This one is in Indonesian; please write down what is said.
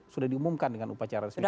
sudah diumumkan dengan upacara resmi partai